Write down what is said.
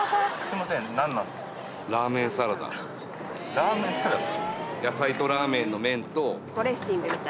ラーメンサラダ？